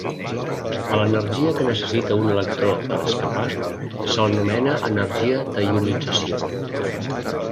A l'energia que necessita un electró per escapar se l'anomena energia de ionització.